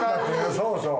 そうそう。